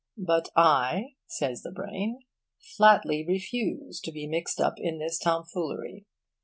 But I,' says the brain, 'flatly refuse to be mixed up in this tomfoolery.